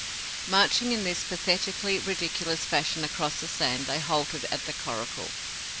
Marching in this pathetically ridiculous fashion across the sand, they halted at the coracle.